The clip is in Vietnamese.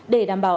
để đảm bảo